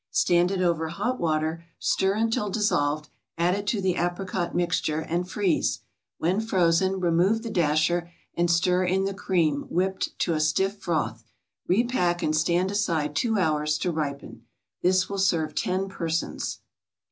Stand it over hot water, stir until dissolved, add it to the apricot mixture, and freeze. When frozen, remove the dasher and stir in the cream whipped to a stiff froth. Repack and stand aside two hours to ripen. This will serve ten persons.